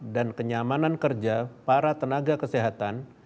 dan kenyamanan kerja para tenaga kesehatan